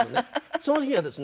その日はですね